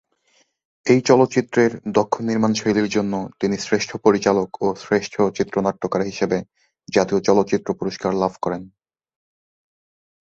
এই চলচ্চিত্রের দক্ষ নির্মাণ শৈলীর জন্য তিনি শ্রেষ্ঠ পরিচালক ও শ্রেষ্ঠ চিত্রনাট্যকার হিসেবে জাতীয় চলচ্চিত্র পুরস্কার লাভ করেন।